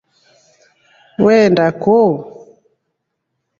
Uenda kuu?